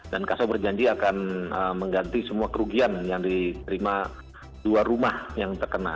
dan kasus berjanji akan mengganti semua kerugian yang diterima dua rumah yang terkena